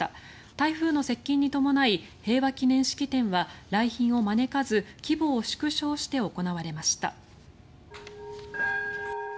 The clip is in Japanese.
台風の接近に伴い平和祈念式典は来賓を招かず、規模を縮小して行われました。